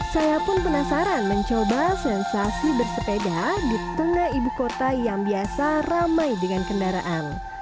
saya pun penasaran mencoba sensasi bersepeda di tengah ibu kota yang biasa ramai dengan kendaraan